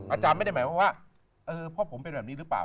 อาจารย์ไม่ได้หมายความว่าพ่อผมเป็นแบบนี้หรือเปล่า